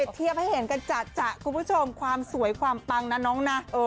เทียบให้เห็นกันจัดคุณผู้ชมความสวยความปังนะน้องนะ